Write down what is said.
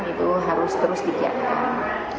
itu harus terus disiapkan